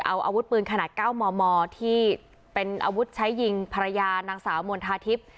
เอาอาวุธปืนขนาด๙มมที่เป็นอาวุธใช้ยิงภรรยานางสาวมณฑาทิพย์